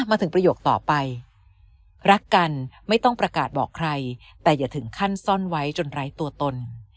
ประโยคต่อไปรักกันไม่ต้องประกาศบอกใครแต่อย่าถึงขั้นซ่อนไว้จนไร้ตัวตน